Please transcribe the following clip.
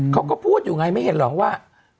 เขาก็พูดอยู่ไงไม่เห็นหรอกว่า